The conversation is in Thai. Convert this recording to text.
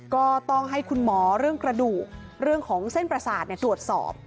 ก็ต้องให้คุณหมอเรื่องกระดูกเรื่องของเส้นประสาทตรวจสอบ